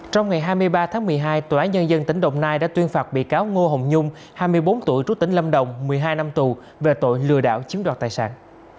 trong ngày hai mươi ba tháng một mươi hai tòa án nhân dân tỉnh đồng nai đã tuyên phạt bị cáo ngô hồng nhung hai mươi bốn tuổi trú tỉnh lâm đồng một mươi hai năm tù về tội lừa đảo chiếm đoạt tài sản